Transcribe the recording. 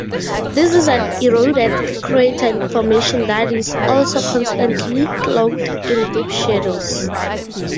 This is an eroded crater formation that is almost constantly cloaked in deep shadows.